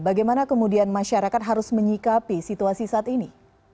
bagaimana kemudian masyarakat harus menyikapi situasi saat ini